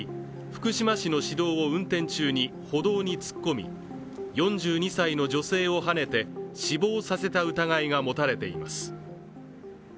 福島市の市道を運転中に歩道に突っ込み、４２歳の女性をはねて死亡させた疑いが持たれています。